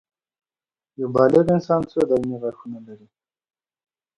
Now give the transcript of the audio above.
یو بالغ انسان څو دایمي غاښونه لري